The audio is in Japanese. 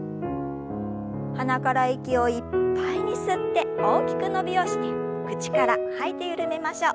鼻から息をいっぱいに吸って大きく伸びをして口から吐いて緩めましょう。